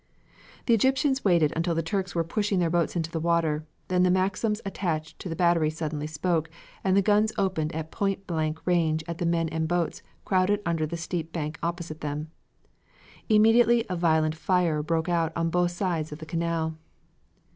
The Egyptians waited until the Turks were pushing their boats into the water, then the Maxims attached to the battery suddenly spoke, and the guns opened at point blank range at the men and boats crowded under the steep bank opposite them. Immediately a violent fire broke out on both sides of the Canal.